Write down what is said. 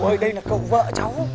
chú ơi đây là cậu vợ cháu